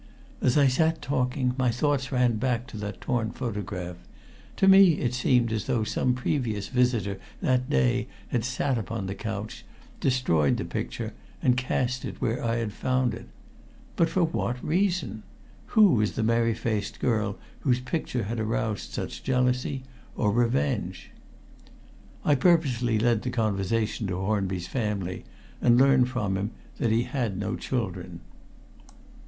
As I sat talking, my thoughts ran back to that torn photograph. To me it seemed as though some previous visitor that day had sat upon the couch, destroyed the picture, and cast it where I had found it. But for what reason? Who was the merry faced girl whose picture had aroused such jealousy or revenge? I purposely led the conversation to Hornby's family, and learned from him that he had no children.